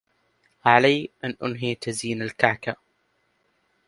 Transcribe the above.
عليّ أن أنهي تزيين الكعكة.